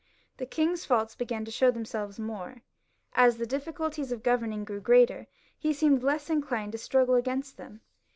The king^s faults began to show themselves more. As the difficulties of governing grew greater, he seemed less inclined to struggle against them.